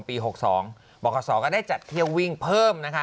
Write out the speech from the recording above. ปี๖๒ปกติ๒ก็ได้จัดเที่ยววิ่งเพิ่ม